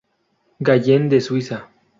Gallen de Suiza.